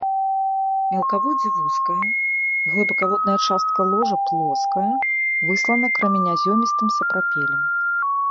Мелкаводдзе вузкае, глыбакаводная частка ложа плоская, выслана крэменязёмістым сапрапелем.